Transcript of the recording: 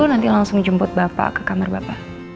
nanti langsung dijemput bapak ke kamar bapak